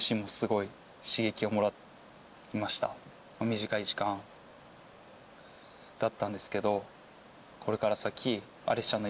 短い時間だったんですけどこれから先。と思うので。